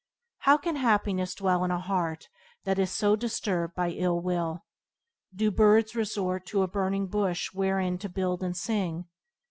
How can happiness dwell in a heart that is so disturbed by ill will? Do birds resort to a burning bush wherein to build and sing?